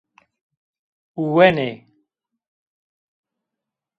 Wenê.